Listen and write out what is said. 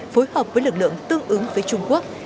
phối hợp với lực lượng tương ứng với trung quốc